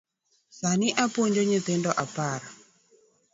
Sani apuonjo nyithindo apar.